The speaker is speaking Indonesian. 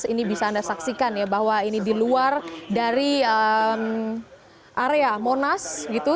ini bisa anda saksikan ya bahwa ini di luar dari area monas gitu